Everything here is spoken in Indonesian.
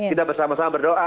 kita bersama sama berdoa